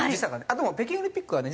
でも北京オリンピックはね